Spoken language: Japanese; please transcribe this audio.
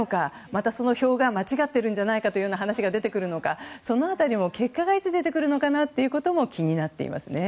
また、その票が間違っているんじゃないかという話が出てくるのか、その辺りも結果がいつ出てくるのかなというのも気になっていますね。